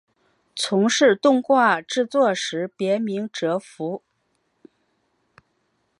从事动画制作时别名哲夫。